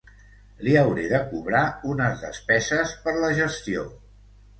Li hauré de cobrar unes despeses per la gestió.